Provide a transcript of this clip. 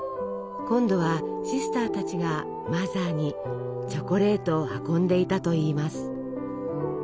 今度はシスターたちがマザーにチョコレートを運んでいたといいます。